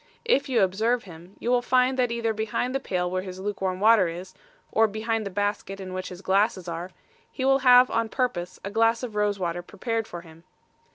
If you observe him, you will find that either behind the pail where his luke warm water is, or behind the basket in which his glasses are, he will have on purpose a glass of rose water prepared for him.